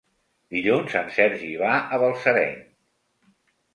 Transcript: Dilluns en Sergi va a Balsareny.